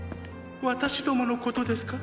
私どものことですか？